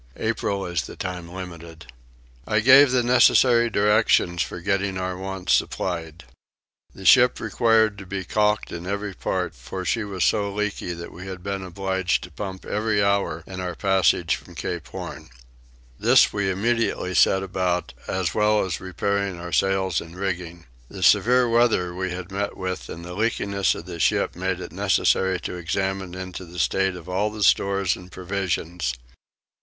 April is the time limited. I gave the necessary directions for getting our wants supplied. The ship required to be caulked in every part for she was become so leaky that we had been obliged to pump every hour in our passage from Cape Horn. This we immediately set about, as well as repairing our sails and rigging. The severe weather we had met with and the leakiness of the ship made it necessary to examine into the state of all the stores and provisions.